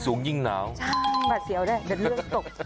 ยังยังยังยังยัง